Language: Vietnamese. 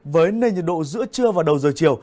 với nền nhiệt độ giữa trưa và đầu giờ chiều